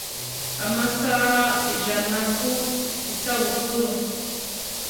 amasaha ijana ku isabukuru